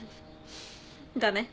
だね。